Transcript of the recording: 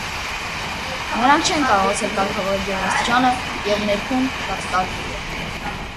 Նրանք չեն կարողացել կարգավորել ջերմաստիճանը, և ներքում շատ տաք է եղել։